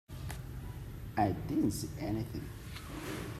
I didn't see anything.